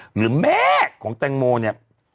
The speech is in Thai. หรือแม่ของแตงโมเนี่ย